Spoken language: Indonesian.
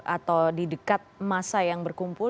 atau di dekat masa yang berkumpul